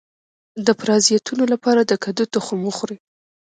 د پرازیتونو لپاره د کدو تخم وخورئ